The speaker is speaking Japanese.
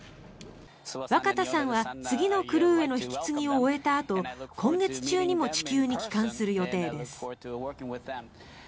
若田さんは、次のクルーへの引き継ぎを終えたあと今月中にも地球に帰還する予定です。